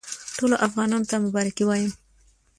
ټولو افغانانو ته مبارکي وایم.